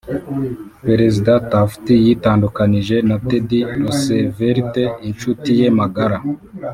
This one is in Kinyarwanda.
perezida taft yitandukanije na teddy roosevelt - inshuti ye magara